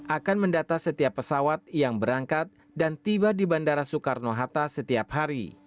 akan mendata setiap pesawat yang berangkat dan tiba di bandara soekarno hatta setiap hari